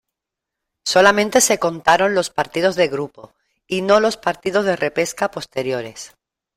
Solamente se contaron los partidos de grupo y no los partidos de repesca posteriores.